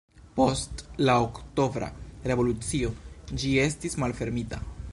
Post la Oktobra Revolucio ĝi estis malfermita.